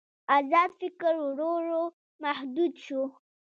ازاد فکر ورو ورو محدود شو.